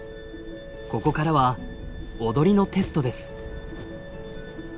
ここからは踊りのテストです。